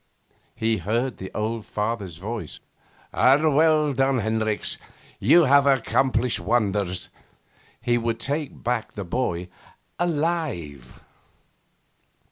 He heard the old father's voice: 'Well done, Hendricks! You have accomplished wonders!' He would take back the boy alive....